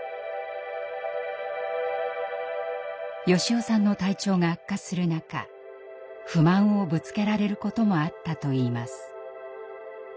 良雄さんの体調が悪化する中不満をぶつけられることもあったといいます。